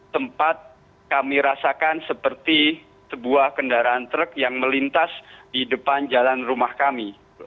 tempat kami rasakan seperti sebuah kendaraan truk yang melintas di depan jalan rumah kami